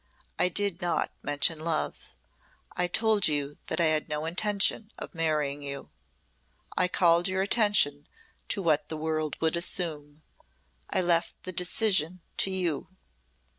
"I did not mention love. I told you that I had no intention of marrying you. I called your attention to what the world would assume. I left the decision to you."